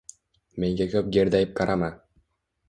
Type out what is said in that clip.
Menga ko‘p gerdayib qarama.